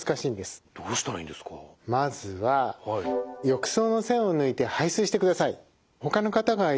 まずは浴槽の栓を抜いて排水してください。